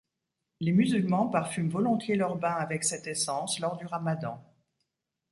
Les musulmans parfument volontiers leurs bains avec cette essence lors du Ramadan.